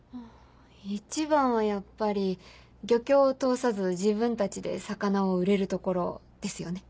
一番はやっぱり漁協を通さず自分たちで魚を売れるところですよね。